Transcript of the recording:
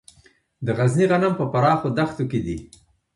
د غزني غنم په پراخو دښتو کې دي.